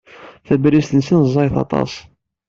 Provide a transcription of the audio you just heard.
Tabalizt-nsen ẓẓayet aṭas.